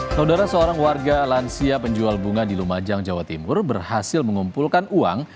saudara seorang warga lansia penjual bunga di lumajang jawa timur berhasil mengumpulkan uang